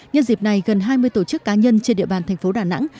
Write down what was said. nhân dịp này gần hai mươi tổ chức cá nhân trên địa bàn thành phố đà nẵng